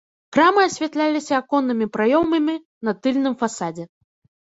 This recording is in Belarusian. Крамы асвятляліся аконнымі праёмамі на тыльным фасадзе.